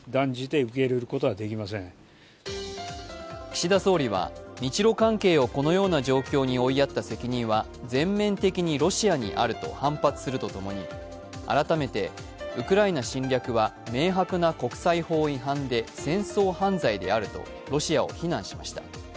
岸田総理は日ロ関係をこのような状況に追いやった責任は全面的にロシアにあると反発するとともに改めてウクライナ侵略は明白な国際法違反で戦争犯罪であるとロシアを非難しました。